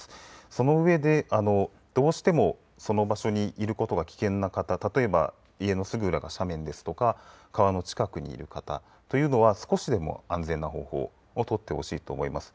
その上で、どうしてもその場所にいることが危険な方例えば家のすぐ裏が斜面ですとか川の近くにいる方というのは少しでも安全な方法をとってほしいと思います。